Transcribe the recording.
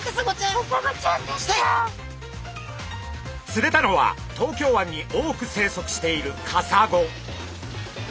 釣れたのは東京湾に多く生息しているカサゴ。